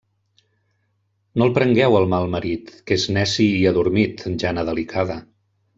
No el prengueu el mal marit, que és neci i adormit, Jana delicada.